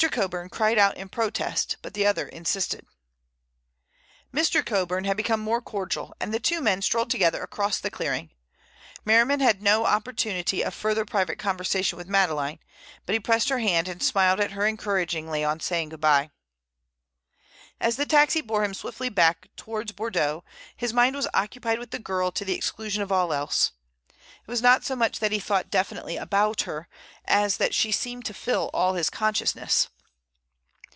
Coburn cried out in protest, but the other insisted. Mr. Coburn had become more cordial, and the two men strolled together across the clearing. Merriman had had no opportunity of further private conversation with Madeleine, but he pressed her hand and smiled at her encouragingly on saying good bye. As the taxi bore him swiftly back towards Bordeaux, his mind was occupied with the girl to the exclusion of all else. It was not so much that he thought definitely about her, as that she seemed to fill all his consciousness.